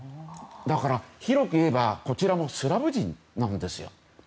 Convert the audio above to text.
だから、広く言えばこちらもスラブ人なんですよ。